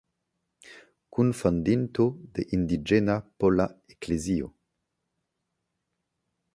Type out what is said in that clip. Kunfondinto de Indiĝena Pola Eklezio.